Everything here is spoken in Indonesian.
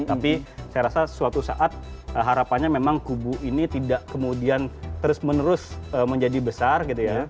tapi saya rasa suatu saat harapannya memang kubu ini tidak kemudian terus menerus menjadi besar gitu ya